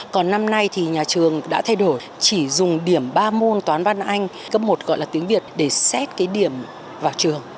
còn năm nay thì nhà trường đã thay đổi chỉ dùng điểm ba môn toán văn anh cấp một gọi là tiếng việt để xét cái điểm vào trường